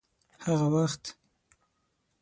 هغه وخت